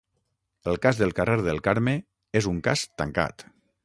El cas del carrer del Carme és un cas tancat.